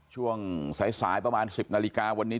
ช่วงสายประมาณ๑๐นาฬิกาวันนี้